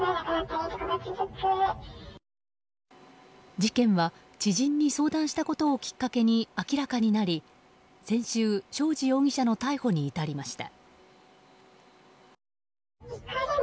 事件は知人に相談したことをきっかけに明らかになり、先週正地容疑者の逮捕に至りました。